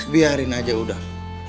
biarin aja udah